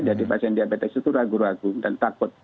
jadi pasien diabetes itu ragu ragu dan takut